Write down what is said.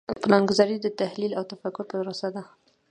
پلانګذاري د تحلیل او تفکر پروسه ده.